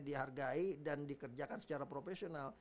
dihargai dan dikerjakan secara profesional